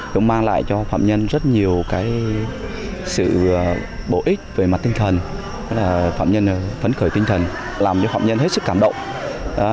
cũng mang lại cho phạm nhân rất nhiều sự bổ ích về mặt tinh thần phạm nhân phấn khởi tinh thần làm cho phạm nhân hết sức cảm động